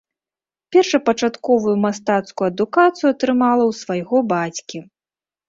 Першапачатковую мастацкую адукацыю атрымала ў свайго бацькі.